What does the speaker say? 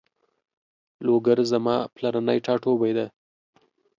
لوګر زما پلرنی ټاټوبی ده